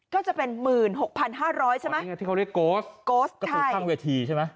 ก็จะเป็น๑๖๕๐๐บาทใช่ไหม